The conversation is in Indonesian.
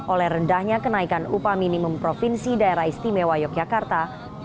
oleh rendahnya kenaikan upah minimum provinsi daerah istimewa yogyakarta dua ribu dua puluh satu